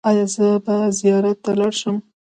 ایا زه به زیارت ته لاړ شم؟